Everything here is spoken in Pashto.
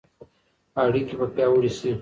اړیکې به پیاوړې شي.